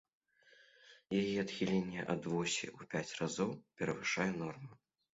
Яе адхіленне ад восі ў пяць разоў перавышае норму.